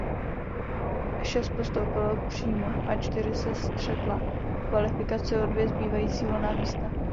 Šest postoupilo přímo a čtyři se střetla v kvalifikaci o dvě zbývající volná místa.